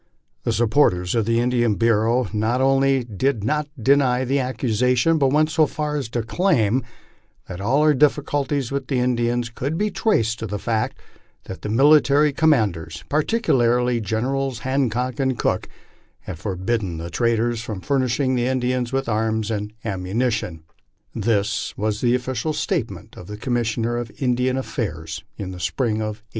The supporters of the Indian Bureau not only did not deny the accusation, but went so far as to claim that all our difficulties with the Indians could be traced to the fact that the military commanders, particularly Generals Han cock and Cooke, had forbidden the traders from furnishing the Indian with arms and ammunition. This was the official statement of the Commissioner of Indian Affairs in the spring of 1867.